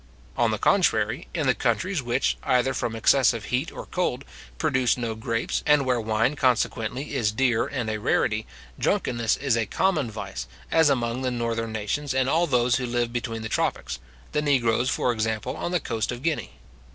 On the contrary, in the countries which, either from excessive heat or cold, produce no grapes, and where wine consequently is dear and a rarity, drunkenness is a common vice, as among the northern nations, and all those who live between the tropics, the negroes, for example on the coast of Guinea.